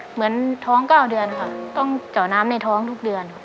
เหมือนท้อง๙เดือนค่ะต้องเจาะน้ำในท้องทุกเดือนค่ะ